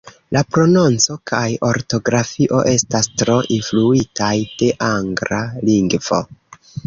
La prononco kaj ortografio estas tro influitaj de angla lingvo.